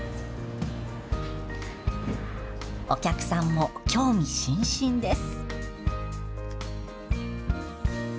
お客さんも興味津々です。